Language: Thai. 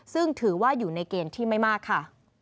ซึ่งถือว่าอยู่ในเกณฑ์ที่ไม่มากค่ะ